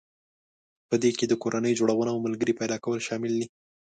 په دې کې د کورنۍ جوړونه او ملګري پيدا کول شامل دي.